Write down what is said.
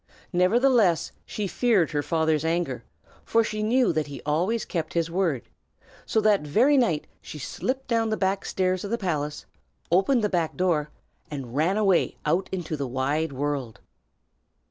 Nevertheless, she feared her father's anger, for she knew that he always kept his word; so that very night she slipped down the back stairs of the palace, opened the back door, and ran away out into the wide world.